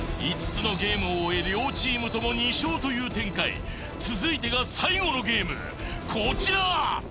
５つのゲームを終え両チームとも２勝という展開続いてが最後のゲームこちら！